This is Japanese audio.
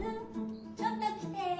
ちょっと来て。